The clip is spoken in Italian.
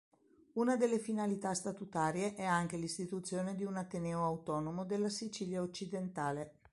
Una delle finalità statutarie è anche l'istituzione di un Ateneo autonomo della Sicilia occidentale.